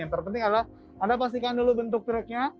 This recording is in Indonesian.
yang terpenting adalah anda pastikan dulu bentuk truknya